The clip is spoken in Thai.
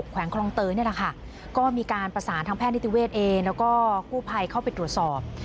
๗๖แขวงคลองเต๋อมีการประสานทั้งแพทย์นิติเวชเอแล้วก็ผู้ภัยเข้าไปตรวจสอบ